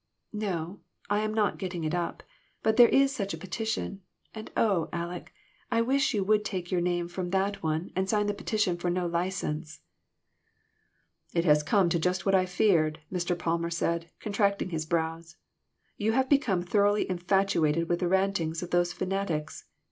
" "No, I am not getting it up, but there is such a petition ; and oh, Aleck ! I wish you would take your name from that one and sign the petition for no license." "It has come to just what I had feared," Mr. Palmer said, contracting his brows; "you have become thoroughly infatuated with the rantings of those fanatics.